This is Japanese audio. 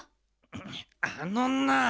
あのなあ！